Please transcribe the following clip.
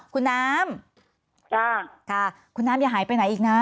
คุณน้ำจ้ะค่ะคุณน้ำอย่าหายไปไหนอีกนะ